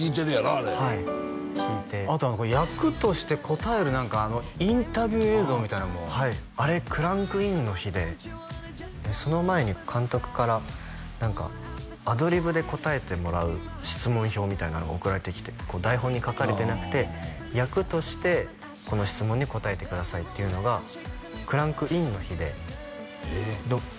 あれあと役として答える何かインタビュー映像みたいなのもはいあれクランクインの日でその前に監督から何かアドリブで答えてもらう質問表みたいなのが送られてきてこう台本に書かれてなくて役としてこの質問に答えてくださいっていうのがクランクインの日でええっ？